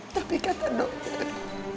tapi kata dokter